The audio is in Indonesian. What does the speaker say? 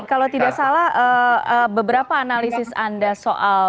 kalau tidak salah beberapa analisis anda soal